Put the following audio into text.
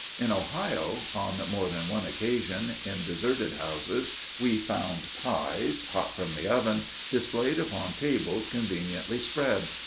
In Ohio, on more than one occasion, in deserted houses we found pies, hot from the oven, displayed upon tables conveniently spread.